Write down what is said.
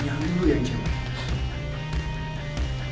nyari lo yang jauh